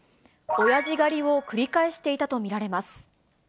おやじ狩りを繰り返していたと見られます。